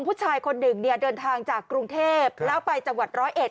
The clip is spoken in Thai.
ผู้ชายคนหนึ่งเนี่ยเดินทางจากกรุงเทพแล้วไปจังหวัดร้อยเอ็ด